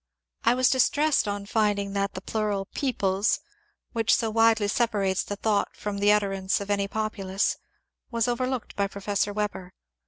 I was distressed on finding that the plural " peoples "— which so widely separates the thought from the utterance of any populace — was overlooked by Professor Weber.